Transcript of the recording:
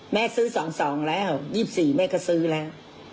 แม่ซื้อ๒๒แล้ว๒๔แม่ก็ซื้อแล้ว